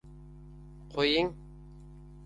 — Qo‘ying!..